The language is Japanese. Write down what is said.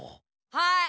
はい。